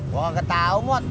gue gak tau mod